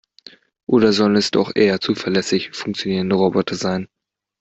Oder sollen es doch eher zuverlässig funktionierende Roboter sein?